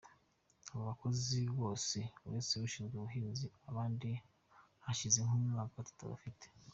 Abo bakozi bose uretse ushinzwe ubuhinzi abandi hashize nk’umwaka tutabafite.